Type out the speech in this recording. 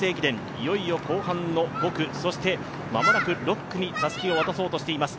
いよいよ後半の５区、そして間もなく６区にたすきを渡そうとしています。